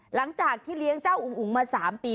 หลังจากที่เลี้ยงเจ้าอุ๋งอุ๋งมา๓ปี